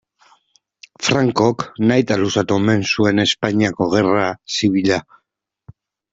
Francok nahita luzatu omen zuen Espainiako gerra zibila.